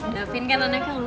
davin kan anak yang lucu